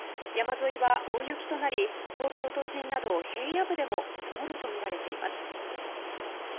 山沿いは大雪となり東京都心など平野部でも積もるとみられています。